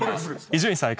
伊集院さん